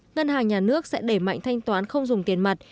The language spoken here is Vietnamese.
ngân hàng nhà nước sẽ đẩy mạnh thanh toán không dùng tiền mặt